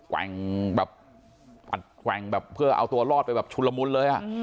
แกว่งแบบอัดแกว่งแบบเพื่อเอาตัวรอดไปแบบชุนละมุนเลยอ่ะ